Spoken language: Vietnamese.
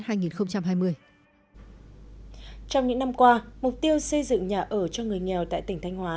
trong những năm qua mục tiêu xây dựng nhà ở cho người nghèo tại tỉnh thanh hóa